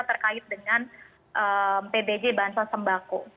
terkait dengan pbj bansos sembako